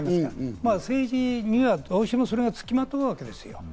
政治にはどうしてもそれが付きまとうわけです。